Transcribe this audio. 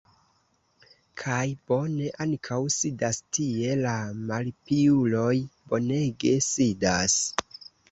Kaj bone ankaŭ sidas tie la malpiuloj, bonege sidas!